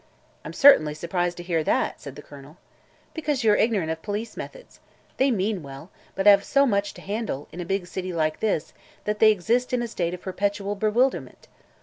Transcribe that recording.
"I'm certainly surprised to hear that!" said the Colonel. "Because you are ignorant of police methods. They mean well, but have so much to handle, in a big city like this, that they exist in a state of perpetual bewilderment."